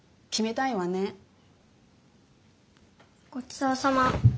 ごちそうさま。